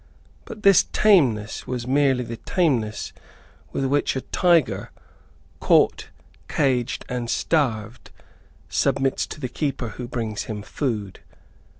But this tameness was merely the tameness with which a tiger, caught, caged and starved, submits to the keeper who brings him food.